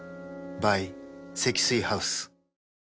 ｂｙ 積水ハウス